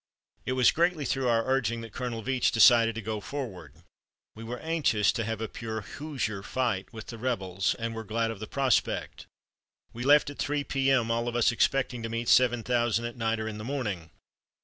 It was greatly through our urging that Colonel Veatch decided to go forward. We were anxious to have a pure Hoosier fight with the rebels, and were glad of the prospect. We left at 3 P.M., all of us expecting to meet seven thousand at night or in the morning.